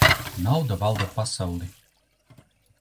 Nauda valda pasauli.